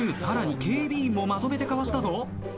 さらに警備員もまとめてかわしたぞ。